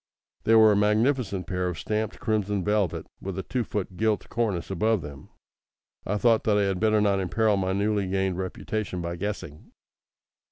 They were a magnificent pair of stamped crimson velvet, with a two foot gilt cornice above them. I thought that I had better not imperil my newly gained reputation by guessing.